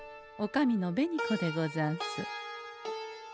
おかみの紅子でござんす。